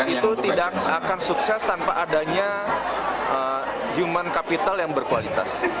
itu tidak akan sukses tanpa adanya human capital yang berkualitas